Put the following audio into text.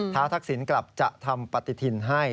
ทักษิณกลับจะทำปฏิทินให้